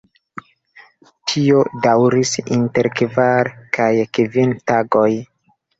Tio daŭris inter kvar kaj kvin tagoj.